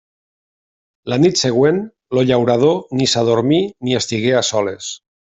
La nit següent el llaurador ni s'adormí ni estigué a soles.